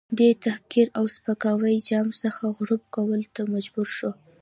دی د تحقیر او سپکاوي جام څخه غوړپ کولو ته مجبور شو.